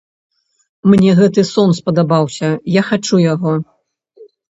Мне гэты сон спадабаўся, я хачу яго.